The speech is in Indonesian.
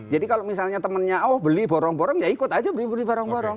jadi kalau misalnya temennya oh beli borong borong ya ikut aja beli beli borong borong